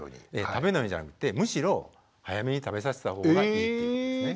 食べないようにじゃなくてむしろ早めに食べさせた方がいいということですね。